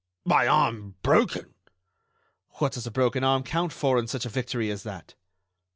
"My arm broken!" "What does a broken arm count for in such a victory as that?"